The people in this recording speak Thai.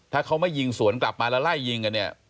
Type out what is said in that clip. ถ้าเขาไม่ยิงสวนกลับมาแล้วไล่ยิงกันเนี่ย